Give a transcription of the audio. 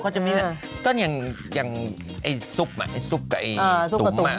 ก็จะมีนะก็อย่างอย่างไอ้ซุปอะไอ้ซุปกับไอ้ตุ๋มอะ